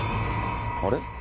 あれ？